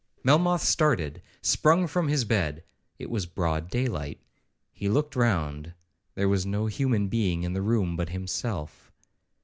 Melmoth started, sprung from his bed,—it was broad day light. He looked round,—there was no human being in the room but himself.